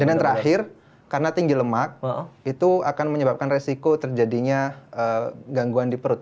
dan yang terakhir karena tinggi lemak itu akan menyebabkan resiko terjadinya gangguan di perut